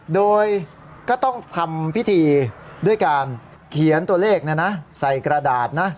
โดยก็ต้องทำพิธีด้วยการเขียนตัวเลขใส่กระดาษนะ